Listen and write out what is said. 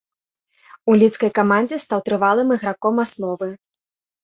У лідскай камандзе стаў трывалым іграком асновы.